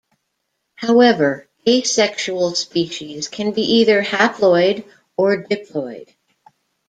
However, asexual species can be either haploid or diploid.